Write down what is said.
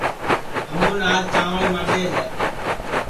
ہمُون آج چانٚوݪ ماڈؔے ہے